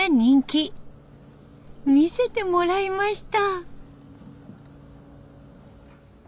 見せてもらいました。